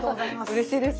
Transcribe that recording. うれしいです。